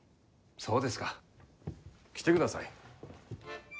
そうですか。来てください。